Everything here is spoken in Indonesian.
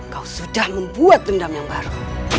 kau sudah membuat dendam yang baru